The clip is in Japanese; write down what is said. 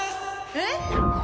えっ？